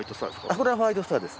これはホワイトスターです。